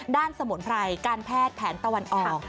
สมุนไพรการแพทย์แผนตะวันออก